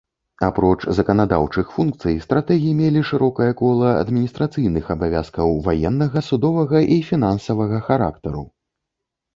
Апроч заканадаўчых функцый, стратэгі мелі шырокае кола адміністрацыйных абавязкаў ваеннага, судовага і фінансавага характару.